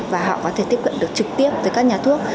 và họ có thể tiếp cận được trực tiếp tới các nhà thuốc